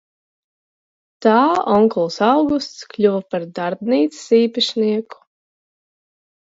Tā onkulis Augusts kļuva par darbnīcas īpašnieku.